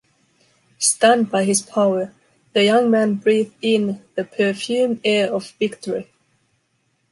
Stunned by his power, the young man breathed in the perfumed air of victory.